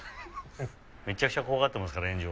・めちゃくちゃ怖がっていますから炎上。